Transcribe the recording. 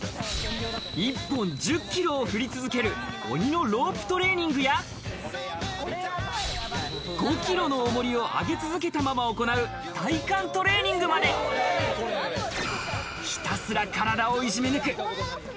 １本１０キロを振り続ける鬼のロープトレーニングや、５キロの重りを上げ続けたまま行う体幹トレーニングまで、ひたすら体をいじめ抜く。